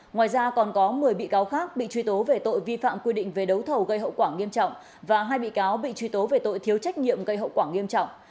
ngoài ra còn có một mươi bị cáo khác bị truy tố về tội vi phạm quy định về đấu thầu gây hậu quả nghiêm trọng và hai bị cáo bị truy tố về tội thiếu trách nhiệm gây hậu quả nghiêm trọng